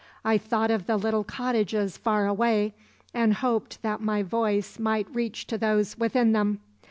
I thought of the little cottages far away and hoped that my voice might reach to those within them.